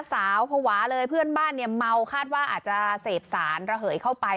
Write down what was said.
ภาวะเลยเพื่อนบ้านเนี่ยเมาคาดว่าอาจจะเสพสารระเหยเข้าไป